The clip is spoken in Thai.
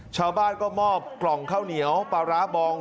ชาวบ้านก็มอบกล่องข้าวเหนียวปลาร้าบอง